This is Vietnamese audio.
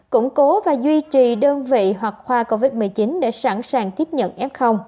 củng cố và duy trì đơn vị hoặc khoa covid một mươi chín để sẵn sàng tiếp nhận f